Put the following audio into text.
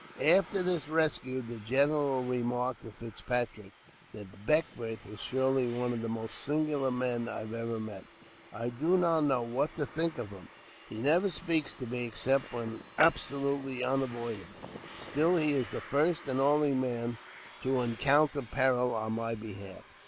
After this rescue, the general remarked to Fitzpatrick, " That Beckwourth is surely one of the most singular men I ever met. I do not know what to think of him ; he never speaks to me except when absolutely unavoidable : still, he is the first and only man to encounter peril on my behalf.